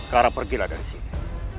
kara pergilah dari sini